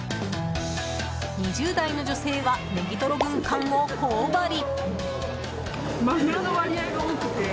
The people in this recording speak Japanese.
２０代の女性はネギトロ軍艦を頬張り。